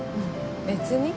別に。